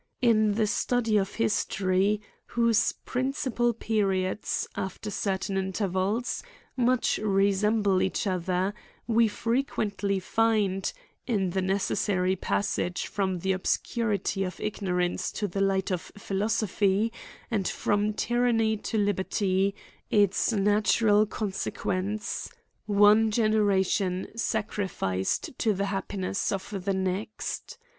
In the study of history, whose principal periods, after certain intervals, much re. semble each other, we frequently find, in the ne cessary passage from the obsurity of ignorance to the light of philosophy, and from tyranny to liber ty, it* natural consequence, one generation sacri U 154 AN ESSAY ON fiped to the happiness of the next.